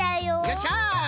よっしゃ！